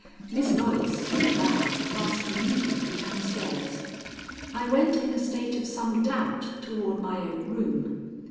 Miss Knollys, with a bow, passed immediately down stairs. I went in a state of some doubt toward my own room.